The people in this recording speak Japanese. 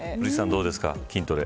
どうですか、筋トレ。